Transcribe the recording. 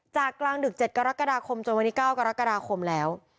กลางดึก๗กรกฎาคมจนวันนี้๙กรกฎาคมแล้ว